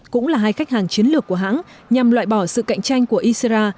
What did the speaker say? cũng là hai khách hàng chiến lược của hãng nhằm loại bỏ sự cạnh tranh của isera